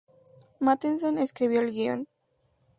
Matheson escribió el guion.